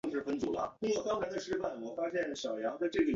但它们比较接近杂食动物。